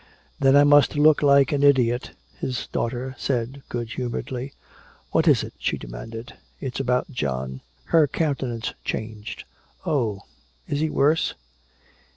"Then I must look like an idiot," his daughter said good humoredly. "What is it?" she demanded. "It's about John." Her countenance changed. "Oh. Is he worse?"